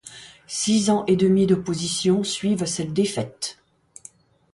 Six ans et demi d'opposition suivent cette défaite.